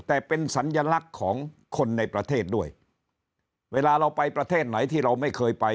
แต่เป็นสัญลักษณ์ของคนในประเทศด้วยเวลาเราไปประเทศไหนที่เราไม่เคยไป